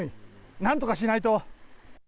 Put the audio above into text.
なんとかしないと。